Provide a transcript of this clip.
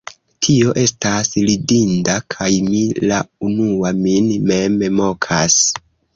Tio estas ridinda, kaj mi la unua min mem mokas.